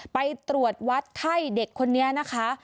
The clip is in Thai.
ไปตรวจวัดไข้เด็กคนนี้นะคะ